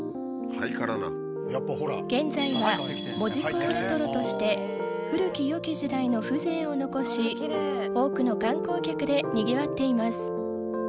現在は門司港レトロとして古き良き時代の風情を残し多くの観光客でにぎわっています。